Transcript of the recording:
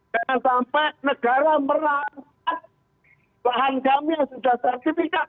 jangan sampai negara merampas bahan kami yang sudah sertifikat